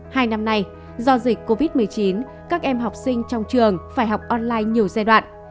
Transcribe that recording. hai năm nay do dịch covid một mươi chín các em học sinh trong trường phải học online nhiều giai đoạn